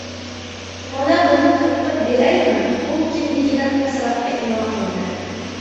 —Mana buni qirqib beraymi! — U kindigidan pastroqqa imo qildi.